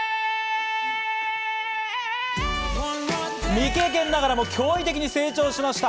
未経験ながらも驚異的に成長しました。